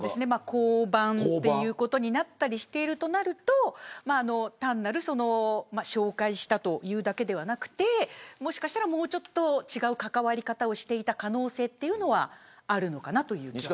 降板になったりしているとなると単なる紹介したというだけではなくてもうちょっと違う関わり方をしていた可能性というのはあるのかなという見方です。